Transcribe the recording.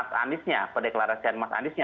bukan soal pendeklarasian mas aniesnya